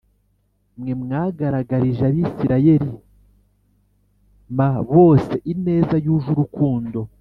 Mwe mwagaragarije Abisirayeli m bose ineza yuje urukundo